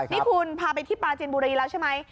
นี่คุณพาไปที่ปลาจินบุรีแล้วใช่ไหม